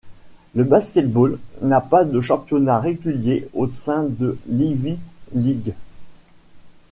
Le basket-ball n'a pas de championnat régulier au sein de l’Ivy League.